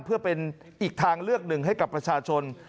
เพื่อเป็นอีกทางเลือกหนึ่งให้กับประชาชน